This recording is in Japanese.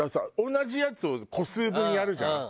同じやつを個数分やるじゃん？